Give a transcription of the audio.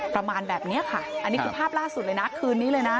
ประมาณแบบนี้ค่ะอันนี้คือภาพล่าสุดเลยนะคืนนี้เลยนะ